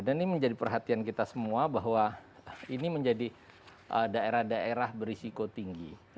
dan ini menjadi perhatian kita semua bahwa ini menjadi daerah daerah berisiko tinggi